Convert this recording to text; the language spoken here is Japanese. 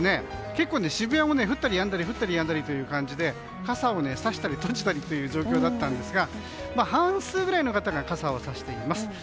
結構、渋谷も降ったりやんだりという感じで傘をさしたりとじたりという状況だったんですが半数くらいの方が傘をさしています。